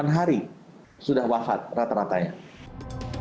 menurut epidemiolog fakultas kesehatan masyarakat